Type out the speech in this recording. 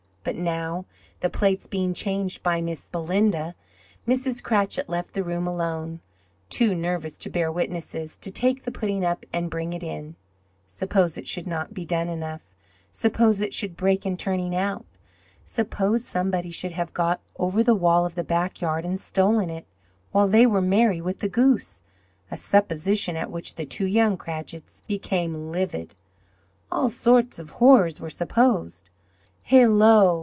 But now, the plates being changed by Miss Belinda, Mrs. Cratchit left the room alone too nervous to bear witnesses to take the pudding up, and bring it in. Suppose it should not be done enough? Suppose it should break in turning out? Suppose somebody should have got over the wall of the backyard and stolen it, while they were merry with the goose a supposition at which the two young Cratchits became livid! All sorts of horrors were supposed. Hallo!